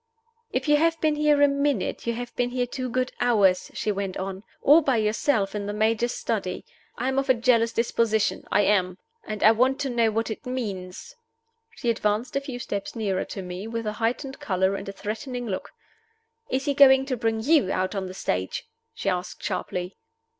"If you have been here a minute, you have been here two good hours," she went on. "All by yourself in the Major's study. I am of a jealous disposition I am. And I want to know what it means." She advanced a few steps nearer to me, with a heightening color and a threatening look. "Is he going to bring you out on the stage?" she asked, sharply.